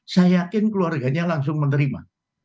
saya yakin keluarganya langsung menerima